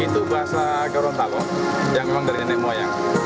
itu bahasa gorontalo yang memang dari nenek moyang